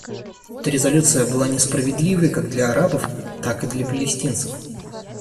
Эта резолюция была несправедливой как для арабов, так и для палестинцев.